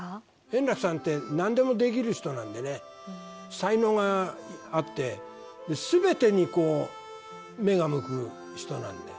円楽さんって、なんでもできる人なんでね、才能があって、すべてにこう、目が向く人なんで。